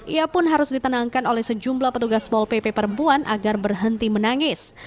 ia pun harus ditenangkan oleh sejumlah petugas pol pp perempuan agar berhenti menangis